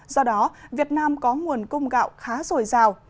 do đó việt nam có nguồn cung gạo khá dồi dào